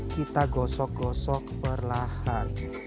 kita gosok gosok perlahan